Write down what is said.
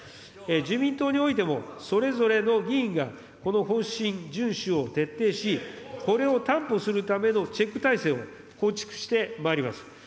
自民党においてもそれぞれの議員がこの方針順守を徹底し、これを担保するためのチェック体制を構築してまいります。